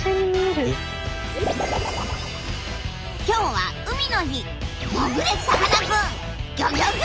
今日は海の日！